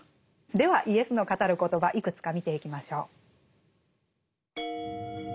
ではイエスの語る言葉いくつか見ていきましょう。